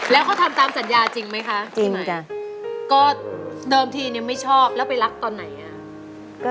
แล้วเขาทำตามสัญญาจริงไหมคะ